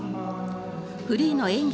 フリーの演技